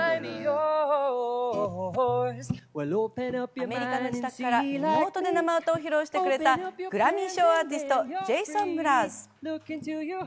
アメリカの自宅からリモートで生歌を披露してくれたグラミー賞アーティスト、ジェイソン・ムラーズ。